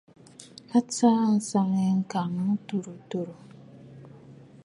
A tsaa àŋsaŋ yî ŋ̀kàŋ wà tùrə̀ tùrə̀.